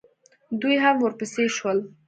دوئ هم ورپسې شول.